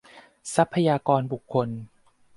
ทรัพยากรบุคคล